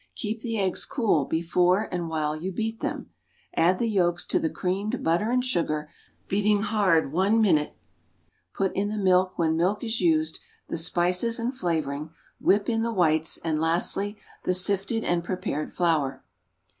Keep the eggs cool before and while you beat them. Add the yolks to the creamed butter and sugar, beating hard one minute; put in the milk when milk is used, the spices and flavoring; whip in the whites, and lastly, the sifted and prepared flour.